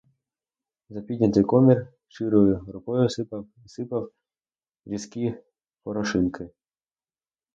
За піднятий комір щирою рукою сипав і сипав різкі порошинки.